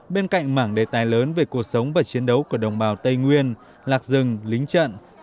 bên cạnh mảng đề tài lớn về cuộc sống và chiến đấu của đồng bào tây nguyên lạc rừng lính trận